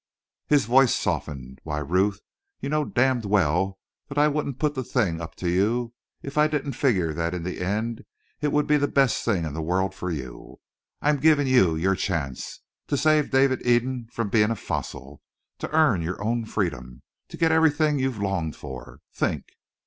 His voice softened. "Why, Ruth, you know damned well that I wouldn't put the thing up to you if I didn't figure that in the end it would be the best thing in the world for you? I'm giving you your chance. To save Dave Eden from being a fossil. To earn your own freedom. To get everything you've longed for. Think!"